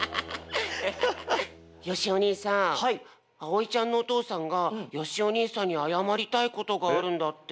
よしお兄さんあおいちゃんのおとうさんがよしお兄さんにあやまりたいことがあるんだって。